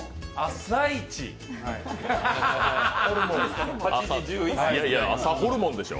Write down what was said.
朝ホルモンでしょう。